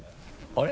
あれ？